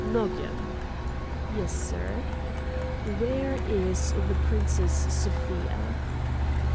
"Nogam!" "Yes, sir?" "Where is the Princess Sofia?"